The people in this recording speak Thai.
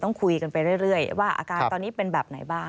ต้องคุยกันไปเรื่อยว่าอาการตอนนี้เป็นแบบไหนบ้าง